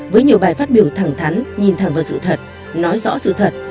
với nhiều bài phát biểu thẳng thắn nhìn thẳng vào sự thật nói rõ sự thật